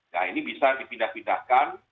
nah ini bisa dipindah pindahkan